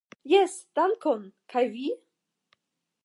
Jes, dankon, kaj vi?